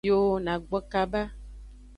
Yo na gbo kaba.